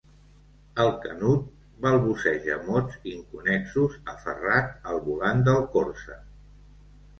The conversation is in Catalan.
El Canut balbuceja mots inconnexos aferrat al volant del Corsa.